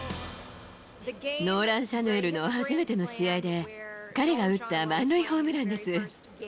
ノーラン・シャヌエルの初めての試合で彼が打った満塁ホームランです。